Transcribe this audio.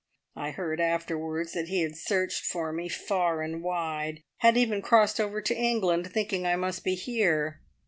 I heard afterwards that he had searched for me far and wide, had even crossed over to England, thinking I must be here.